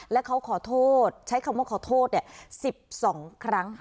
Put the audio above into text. แล้วเค้าขอโทษใช้คำว่าขอโทษเนี่ย๑๒ครั้ง